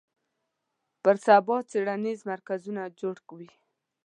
پر سبا څېړنیز مرکزونه جوړ وي